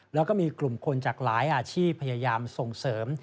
แล้วก็มีกลุ่มคนจากหลายอาชีพพยายามส่งเสริม